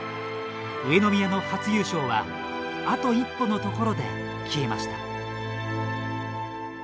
上宮の初優勝はあと一歩のところで消えました。